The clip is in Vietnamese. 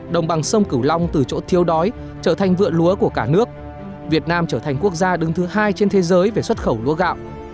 đồng bằng sông cửu long từ chỗ thiêu đói trở thành vượn lúa của cả nước việt nam trở thành quốc gia đứng thứ hai trên thế giới về xuất khẩu lúa gạo